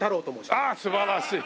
ああっ素晴らしい。